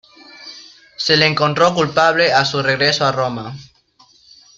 Se le encontró culpable a su regreso a Roma.